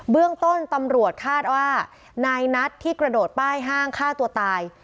เรื่องต้นตำรวจคาดว่านายนัทที่กระโดดป้ายห้างฆ่าตัวตาย